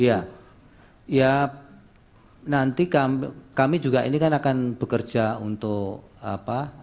ya ya nanti kami juga ini kan akan bekerja untuk apa